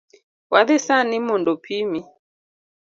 Wadhi sani mondo opimi